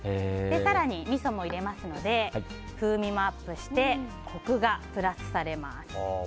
更に、みそも入れますので風味もアップしてコクがプラスされます。